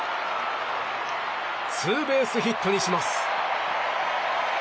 ツーベースヒットにします。